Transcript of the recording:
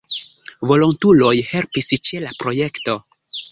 Volontuloj helpis ĉe la projekto.